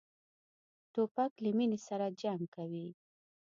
توپک له مینې سره جنګ کوي.